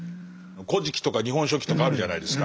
「古事記」とか「日本書紀」とかあるじゃないですか。